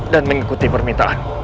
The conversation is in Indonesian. dan mengikuti permintaan